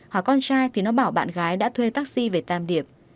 hỏi con trai thì nó bảo bạn gái đã thuê taxi về tam điệp